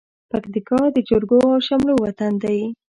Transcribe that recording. پکتيا د جرګو او شملو وطن دى.